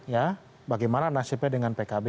ya bagaimana nasibnya dengan pkb